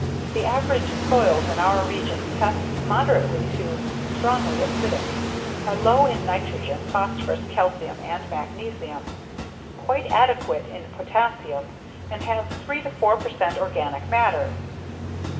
The average soils in our region test moderately to strongly acid; are low in nitrogen, phosphorus, calcium, and magnesium; quite adequate in potassium; and have 3 4 percent organic matter.